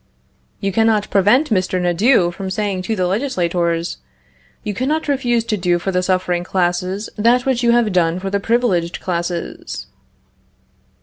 You cannot prevent Mr. Nadeau from saying to the legislators: "You cannot refuse to do for the suffering classes that which you have done for the privileged classes."